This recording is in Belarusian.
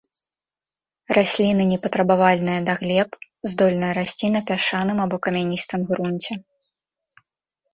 Расліна не патрабавальная да глеб, здольная расці на пясчаным або камяністым грунце.